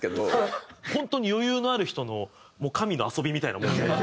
本当に余裕のある人の神の遊びみたいなもので。